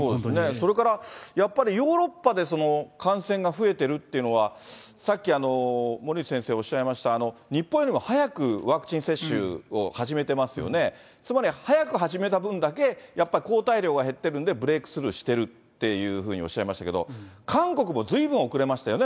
それからやっぱりヨーロッパで感染が増えてるっていうのは、さっき森内先生おっしゃいました、日本よりも早くワクチン接種を始めてますよね、つまり、早く始めた分だけやっぱ抗体量が減ってるので、ブレークスルーしてるっていうふうにおっしゃいましたけど、韓国もずいぶん遅れましたよね、